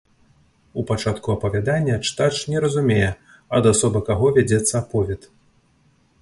У пачатку апавядання чытач не разумее, ад асобы каго вядзецца аповед.